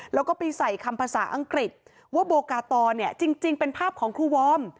แล้วก็ไปใส่คำภาษาอังกฤษว่าโบกาตอเนี่ยจริงเป็นภาพของครูวอร์ม